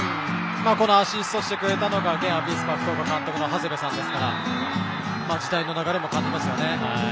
アシストしてくれたのが現アビスパ福岡監督の長谷部さんですから時代の流れを感じますね。